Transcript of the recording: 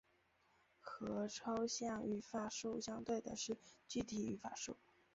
和抽象语法树相对的是具体语法树。